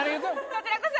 こちらこそ。